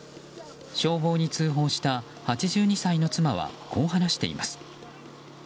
消防に通報した８２歳の妻はこう話しています。